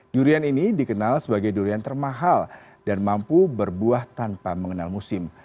durian ini dikenal sebagai durian termahal dan mampu berbuah tanpa mengenal musim